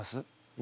今。